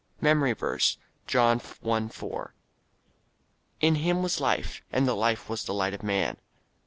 MEMORY VERSE, John 1: 4 "In him was life; and the life was the light of men."